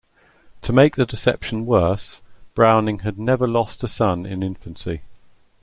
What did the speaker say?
To make the deception worse, Browning had never lost a son in infancy.